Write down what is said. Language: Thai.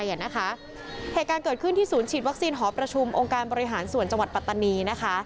เหตุการณ์เกิดขึ้นที่ศูนย์ฉีดวัคซีนหอประชุมองค์การบริหารส่วนจังหวัดปัตตานีนะคะ